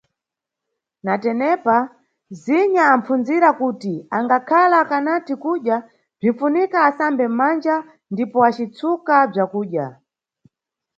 Natenepa, Zinya apfundzira kuti angakhala akanati kudya bzinʼfunika asambe mʼmanja ndipo acitsuka bzakudya.